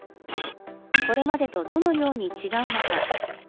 これまでとどのように違うのか。